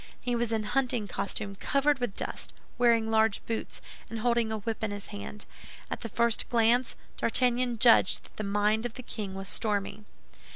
He was in hunting costume covered with dust, wearing large boots, and holding a whip in his hand. At the first glance, D'Artagnan judged that the mind of the king was stormy.